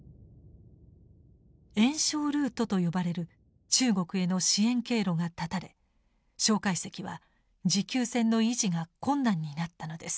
援ルートと呼ばれる中国への支援経路が断たれ介石は持久戦の維持が困難になったのです。